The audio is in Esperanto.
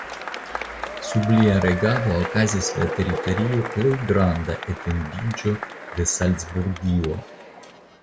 Sub lia regado okazis la teritorie plej granda etendiĝo de Salcburgio.